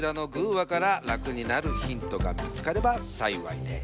話からラクになるヒントが見つかれば幸いです。